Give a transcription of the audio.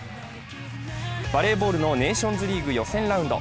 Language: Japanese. バレーボールのネーションズリーグ予選ラウンド。